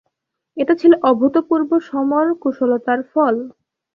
এটা ছিল অভূতপূর্ব সমর কুশলতার ফল।